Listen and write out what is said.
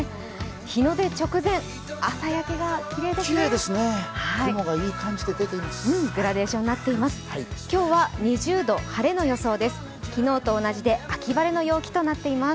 日の出直前、朝焼けがきれいですねグラデーションになっています。